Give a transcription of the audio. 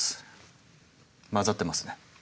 交ざってますね。